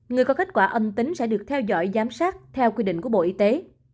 người có kết quả âm tính sẽ được theo dõi giám sát theo quy định của bộ y tế